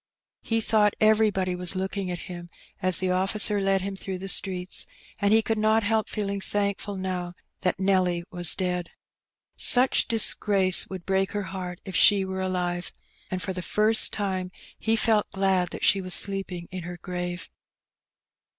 He thought everybody was looking at him, as the officer led him through the streets, and he could not help feeling thankfiil now that Nelly was dead. Such disgrace would break her heart if she were alive. And for the first time he felt glad that she was sleeping in her grave.